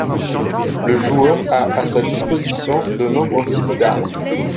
Le joueur a à sa disposition de nombreux types d'armes.